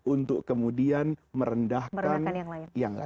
untuk kemudian merendahkan yang lain